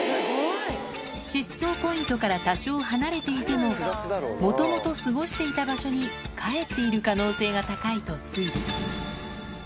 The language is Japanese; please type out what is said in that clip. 失踪ポイントから多少離れていても、もともと過ごしていた場所に帰っている可能性が高いと推理。